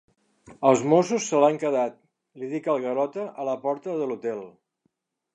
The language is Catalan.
Els Mossos se l'han quedat —li dic al Garota, a la porta de l'hotel.